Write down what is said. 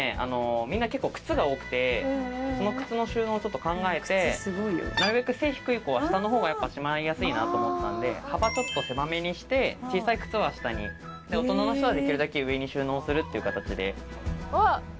みんな結構靴が多くてこの靴の収納ちょっと考えてなるべく背低い子は下のほうがしまいやすいなと思ったんで幅ちょっと狭めにして小さい靴は下にで大人の人はできるだけ上に収納するっていう形で。